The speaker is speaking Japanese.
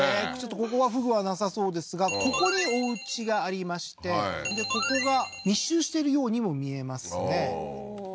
ここはフグはなさそうですがここにおうちがありましてでここが密集してるようにも見えますねで